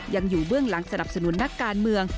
อยู่เบื้องหลังสนับสนุนนักการเมือง